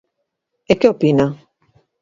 E que opina?